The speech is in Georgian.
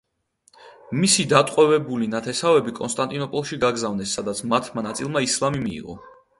მისი დატყვევებული ნათესავები კონსტანტინოპოლში გაგზავნეს, სადაც მათმა ნაწილმა ისლამი მიიღო.